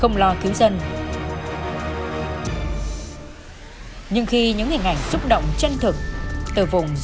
góc nhìn sự thật